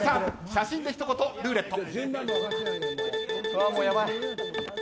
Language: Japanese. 写真で一言ルーレット。